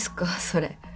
それ。